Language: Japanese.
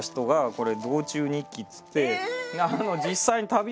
これ。